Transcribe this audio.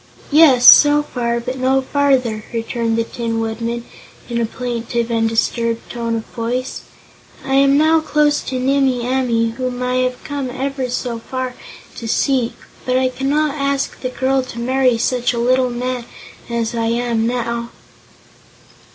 "Yes; so far, but no farther," returned the Tin Woodman in a plaintive and disturbed tone of voice. "I am now close to Nimmie Amee, whom I have come ever so far to seek, but I cannot ask the girl to marry such a little man as I am now."